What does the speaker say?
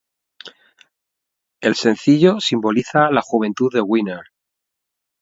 El sencillo simboliza la juventud de Winner.